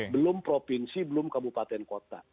belum provinsi belum kabupaten kota